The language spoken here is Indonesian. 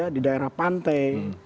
di daerah pantai